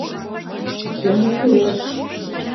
Кӧм кӱлеш!